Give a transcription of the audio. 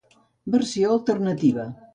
versió alternativa